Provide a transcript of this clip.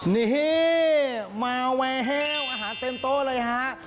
นี่มาแว้วอาหารเต็มโต๊ะเลยครับ